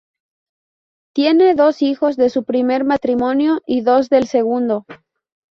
Tiene dos hijos de su primer matrimonio y dos del segundo.